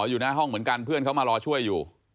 อยู่หน้าห้องเหมือนกันเพื่อนเขามารอช่วยอยู่